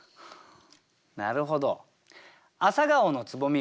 なるほど。